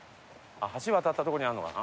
橋渡ったとこにあるのかな？